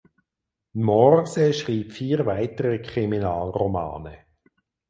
Morse schrieb vier weitere Kriminalromane.